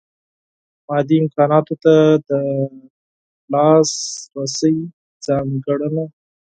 مادي امکاناتو ته د لاسرسۍ ځانګړنه.